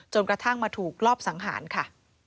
กระทั่งมาถูกรอบสังหารค่ะ